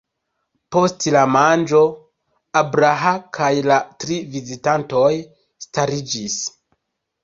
Post la manĝo, Abraham kaj la tri vizitantoj stariĝis.